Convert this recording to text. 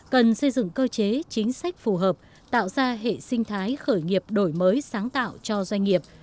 cần xây dựng cơ chế chính sách phù hợp tạo ra hệ sinh thái khởi nghiệp đổi mới sáng tạo cho doanh nghiệp